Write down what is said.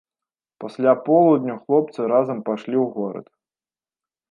Пасля полудню хлопцы разам пайшлі ў горад.